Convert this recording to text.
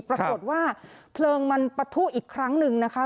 ปรากฏว่าเพลิงมันปะทุอีกครั้งหนึ่งนะคะ